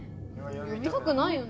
よびたくないよね。